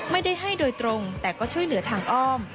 ไม่ได้ให้โดยตรงแต่ก็ช่วยเหลือทางอ้อม